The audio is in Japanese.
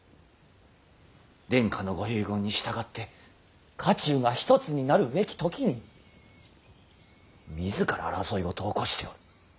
殿下のご遺言に従って家中が一つになるべき時に自ら争いごとを起こしておる。